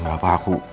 gak apa apa aku